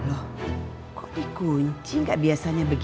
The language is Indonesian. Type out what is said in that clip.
apa berhasil nailah